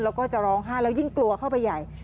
แล้วก็จะร้องไห้แล้วยิ่งกลัวเข้าไปใหญ่